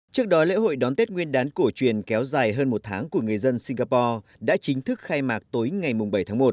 trước đó lễ hội đón tết nguyên đán cổ truyền kéo dài hơn một tháng của người dân singapore đã chính thức khai mạc tối ngày bảy tháng một